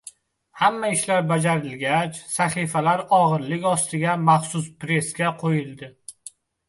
Hamma ishlar bajarilgach, sahifalar og‘irlik ostiga, maxsus pressga qo‘yildi.